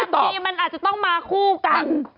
พี่มันอาจจะต้องมาคู่กัน